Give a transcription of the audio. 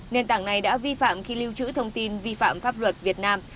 nền tảng này đã vi phạm khi lưu trữ thông tin vi phạm pháp luật việt nam